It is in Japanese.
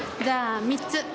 じゃあ３つ。